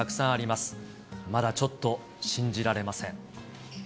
まだちょっと信じられません。